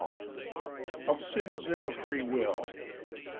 OF SINS AND OF FREE WILL.